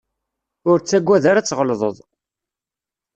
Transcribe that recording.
Ur ttagad ara ad tɣelḍeḍ.